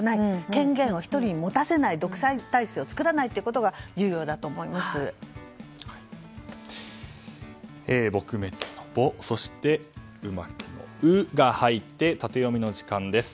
権限を１人に持たせない独裁体制を作らないことが撲滅の「ボ」そして、うまくの「ウ」が入ってタテヨミの時間です。